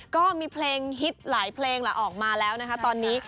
ก็มีเพลงฮิตหลายเพลงล่ะออกมาแล้วนะคะตอนนี้